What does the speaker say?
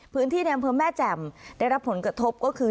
ในอำเภอแม่แจ่มได้รับผลกระทบก็คือ